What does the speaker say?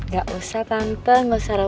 gak usah tante gak usah repot repot